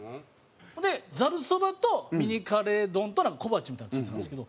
それでざるそばとミニカレー丼となんか小鉢みたいなの付いてたんですけど。